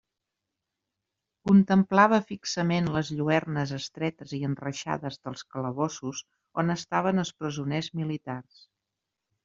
Contemplava fixament les lluernes estretes i enreixades dels calabossos on estaven els presoners militars.